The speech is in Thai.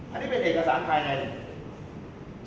อันนี้เป็นเอกสารใครนะครับ